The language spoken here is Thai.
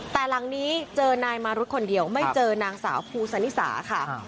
แต่หลังนี้เจอนายมารุธคนเดียวไม่เจอนางสาวภูซานิสาค่ะ